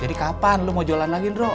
jadi kapan lo mau jualan lagi nro